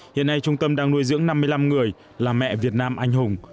hiện nay trung tâm đang nuôi dưỡng năm mươi năm người là mẹ việt nam anh hùng